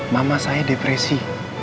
mama saya depresi